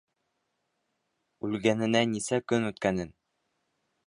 Үлгәненә нисә көн үткәнен.